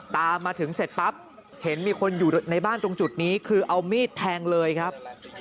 ตามมาถึงเสร็จปั๊บเห็นมีคนอยู่ในบ้านตรงจุดนี้คือเอามีดแทงเลยครับ